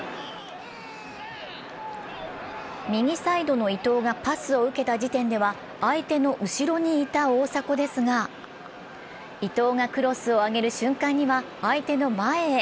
右サイドの伊東がパスを受けた時点では相手の後ろにいた大迫ですが、伊東がクロスを上げる瞬間には相手の前へ。